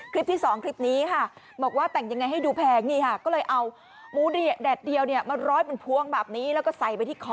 ครีปที่สองครีปนี้ค่ะ